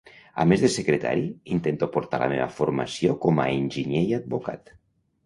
A més de secretari, intento aportar la meva formació com a enginyer i advocat.